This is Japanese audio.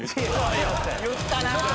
言ったな！